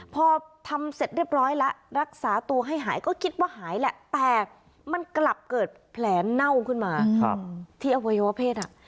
พอทำเสร็จเรียบร้อยแล้วรักษาตัวให้หายก็คิดว่าหายแหละแต่มันกลับเกิดแผลเน่าขึ้นมาที่อวัยวะเพศ